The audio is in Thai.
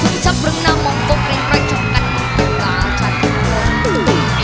คุณชับเรื่องน้ำมองโฟกเร่งเร่งชอบกันตรงกลางชาติทุกคน